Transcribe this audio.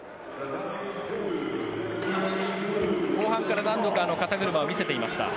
後半から何度か肩車を見せていました。